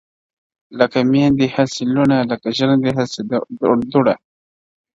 لکه میندي هسي لوڼه لکه ژرندي هسي دوړه -